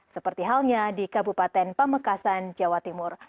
seperti halnya di kabupaten pamekasan jawa timur